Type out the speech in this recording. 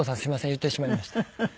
言ってしまいました。